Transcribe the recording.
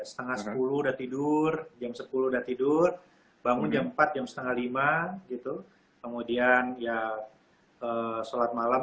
setengah sepuluh udah tidur jam sepuluh udah tidur bangun jam empat jam setengah lima gitu kemudian ya sholat malam